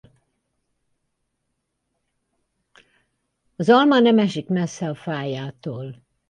Az alma nem esik messze a fájától.